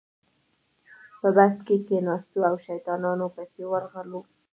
په بس کې کېناستو او شیطانانو پسې ورغلو.